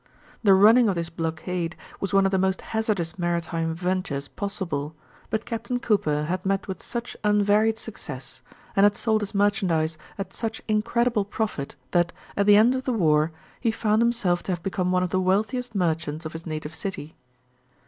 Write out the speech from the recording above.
The running of this blockade was one of the most hazardous maritime ventures possible, but Captain Cooper had met with such unvaried success, and had sold his merchandise at such incredible profit that, at the end of the war, he found himself to have become one of the wealthiest merchants of his native city.